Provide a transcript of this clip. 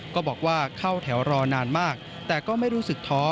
ก็บอกว่าเข้าแถวรอนานมากแต่ก็ไม่รู้สึกท้อ